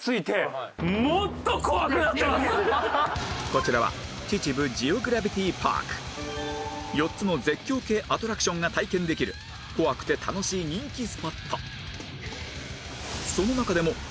こちらは４つの絶叫系アトラクションが体験できる怖くて楽しい人気スポット